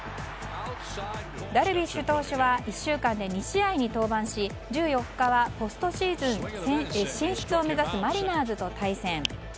ダルビッシュ投手は１週間で２試合に登板し１４日はポストシーズン進出を目指すマリナーズと対戦。